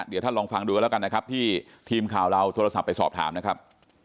เดี๋ยวท่านลองฟังดูกันแล้วกันนะครับที่ทีมข่าวเราโทรศัพท์ไปสอบถามนะครับ